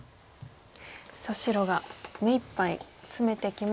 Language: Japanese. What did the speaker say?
白が目いっぱいツメてきましたが。